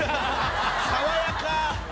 爽やか！